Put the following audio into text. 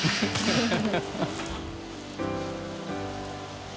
ハハハ